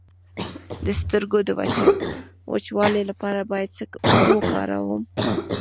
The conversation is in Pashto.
د سترګو د وچوالي لپاره باید څه وکاروم؟